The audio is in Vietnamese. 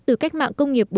từ cách mạng công nghiệp bốn